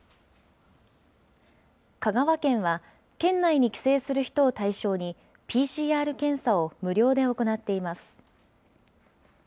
香川県は、県内に帰省する人を対象に、ＰＣＲ検査を無料で行っています。